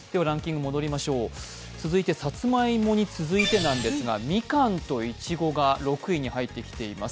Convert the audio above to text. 続いて、さつまいもに続いてなんですが、みかんといちごが６位に入ってきています。